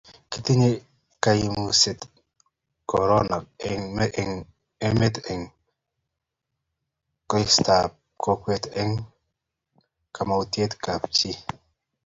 kitiny kaimutietab korona emet eng' komostab kokwet eng' kakwoutietab kapchii